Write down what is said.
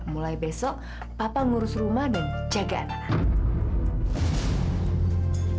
mulai besok papa ngurus rumah dan jaga anak